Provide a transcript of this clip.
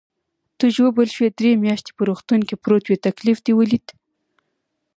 ته ژوبل شوې، درې میاشتې په روغتون کې پروت وې، تکلیف دې ولید.